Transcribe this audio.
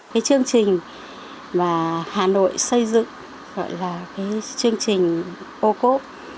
cái chương trình mà hà nội xây dựng gọi là cái chương trình ô cốp